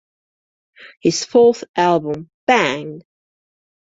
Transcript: His fourth album, Bang!